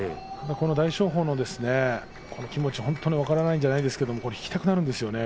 大翔鵬の気持ちは本当に分からないじゃないんですけれども、引きたくなるんですよね